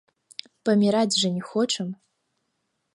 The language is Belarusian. Паміраць жа не хочам.